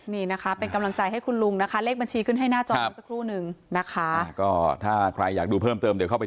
ดีใจไหมครับที่พี่บิลมาดีใจไหม